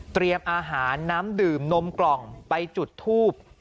อาหารน้ำดื่มนมกล่องไปจุดทูบ